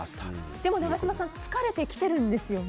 でも永島さん疲れてきているんですよね。